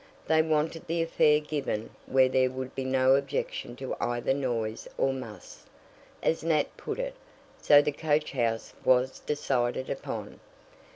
They wanted the affair given where there would be no objection to either noise or "muss," as Nat put it, so the coach house was decided upon.